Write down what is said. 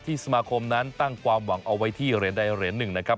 สมาคมนั้นตั้งความหวังเอาไว้ที่เหรียญใดเหรียญหนึ่งนะครับ